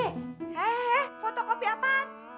eh eh foto kopi apaan